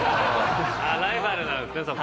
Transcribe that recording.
ライバルなんですねそこ。